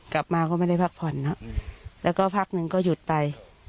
กลับมาก็ไม่ได้พักผ่อนนะแล้วก็พักหนึ่งก็หยุดไป